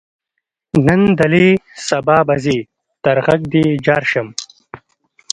نن دلې سبا به ځې تر غږ دې جار شم.